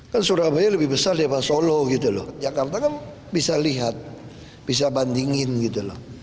kan surabaya lebih besar daripada solo gitu loh jakarta kan bisa lihat bisa bandingin gitu loh